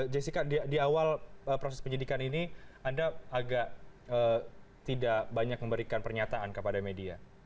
jessica di awal proses penyidikan ini anda agak tidak banyak memberikan pernyataan kepada media